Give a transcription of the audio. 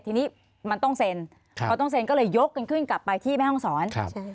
ทีนี้มันต้องเซ็นพอต้องเซ็นก็เลยยกกันขึ้นกลับไปที่แม่ห้องศร